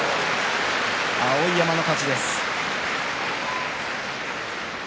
碧山の勝ちです。